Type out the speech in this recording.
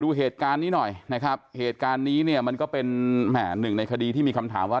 ดูเหตุการณ์นี้หน่อยนะครับเหตุการณ์นี้เนี่ยมันก็เป็นแหม่หนึ่งในคดีที่มีคำถามว่า